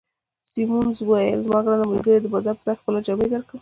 سیمونز وویل: زما ګرانه ملګرې، د بازار پر تګ خپله جامې درکوم.